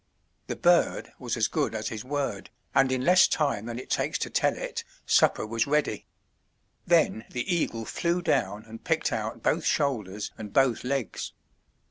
The bird was as good as his word, and in less time than it takes to tell it supper was ready. Then the eagle flew down and picked out both shoulders and both legs.